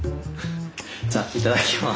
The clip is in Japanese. じゃあいただきます。